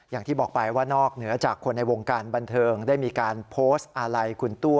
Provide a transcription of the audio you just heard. อย่างที่บอกไปว่านอกเหนือจากคนในวงการบันเทิงได้มีการโพสต์อาลัยคุณตู้